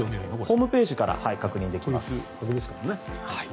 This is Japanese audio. ホームページから確認できます。